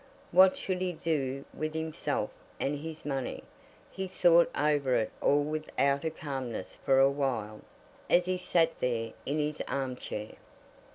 What should he do with himself and his money? He thought over it all with outer calmness for awhile, as he sat there in his arm chair.